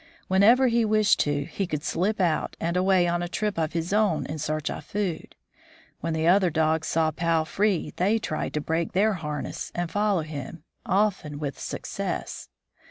Whenever he wished to, he could slip out and away on a trip of his own in search of food. When the other dogs saw Pau free, they tried to break their harness and follow him, often with success.